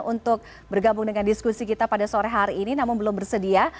untuk bergabung dengan diskusi kita pada sore hari ini namun belum bersedia